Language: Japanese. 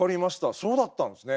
そうだったんですね。